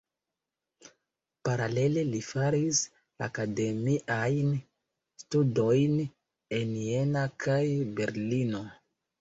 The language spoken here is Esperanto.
Paralele li faris akademiajn studojn en Jena kaj Berlino.